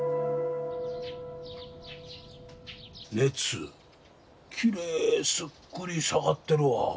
熱きれいすっくり下がってるわ。